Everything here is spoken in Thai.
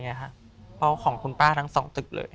เพราะว่าของคุณป้าทั้ง๒ตึกเลย